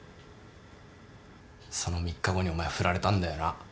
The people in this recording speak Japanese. その３日後にお前フラれたんだよな。